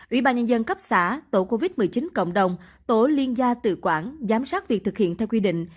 ủy ban nhân dân cấp xã tổ covid một mươi chín cộng đồng tổ liên gia tự quản giám sát việc thực hiện theo quy định